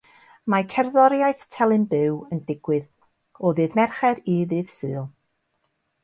Mae cerddoriaeth telyn byw yn digwydd o ddydd Mercher i ddydd Sul.